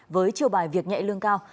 với chiều bài việc nhạy lương cao